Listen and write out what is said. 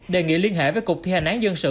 đề nghị liên hệ với cục thi hành án dân sự